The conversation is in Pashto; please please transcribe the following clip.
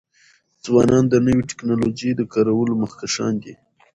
ځوانان د نوی ټکنالوژی د کارولو مخکښان دي.